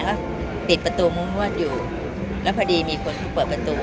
ก็ปิดประตูมุ้งมวดอยู่แล้วพอดีมีคนเขาเปิดประตู